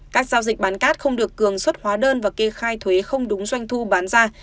các giao dịch bán cát không được cường xuất hóa đơn và kê khai thuế không đúng doanh thu bán ra